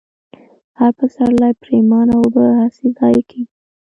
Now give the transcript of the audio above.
هر پسرلۍ پرېمانه اوبه هسې ضايع كېږي،